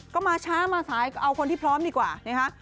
ก็มาช้ามาสายเอาคนที่พร้อมดีกว่านะคะ